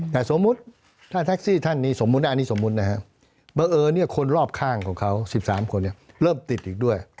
แต่สมมุติถ้าแท็กซี่ท่านนี้สมมุติอันนี้สมมุตินะครับบังเอิญคนรอบข้างของเขา๑๓คนเริ่มติดอีกด้วย